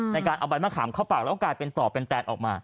ในการเอาใบมะขามเข้าปากแล้วกลายเป็นต่อเป็นแตนออกมา